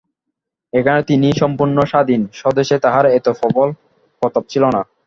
এখানে তিনি সম্পূর্ণ স্বাধীন, স্বদেশে তাঁহার এত প্রবল প্রতাপ ছিল না।